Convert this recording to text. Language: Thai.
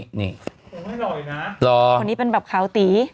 นี่หล่อนะหล่อคนนี้เป็นแบบขาวตี